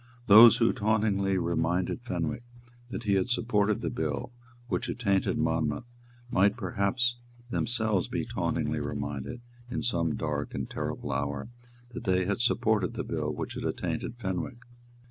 Those who tauntingly reminded Fenwick that he had supported the bill which attainted Monmouth might perhaps themselves be tauntingly reminded, in some dark and terrible hour, that they had supported the bill which had attainted Fenwick.